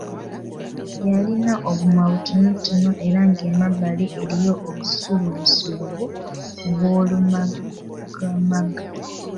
Yalina obumwa butonotono era ng’emabbali eriyo obusulubusulubu obw’olumaggamagga.